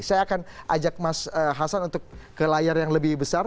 saya akan ajak mas hasan untuk ke layar yang lebih besar